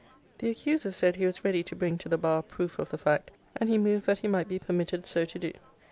The accuser said he was ready to bring to the bar proof of the fact; and he moved that he might be permitted so to do.